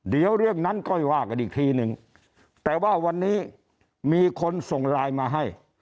เดี๋ยวเรื่องนั้นค่อยว่ากันอีกทีนึงแต่ว่าวันนี้มีคนส่งไลน์มาให้